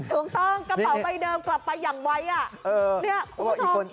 ถูกต้องกลับไปเดิมกลับไปอย่างไวอ่ะ